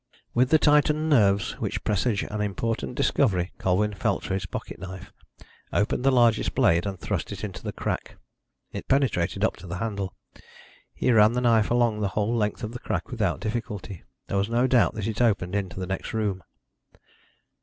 With the tightened nerves which presage an important discovery, Colwyn felt for his pocket knife, opened the largest blade, and thrust it into the crack. It penetrated up to the handle. He ran the knife along the whole length of the crack without difficulty. There was no doubt it opened into the next room.